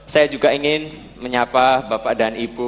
saya juga ingin menyapa bapak dan ibu